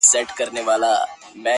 • زما توجه ور واړوله -